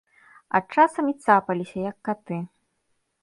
А часам і цапаліся, як каты.